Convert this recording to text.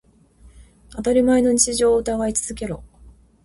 当たり前の日常を疑い続けろ。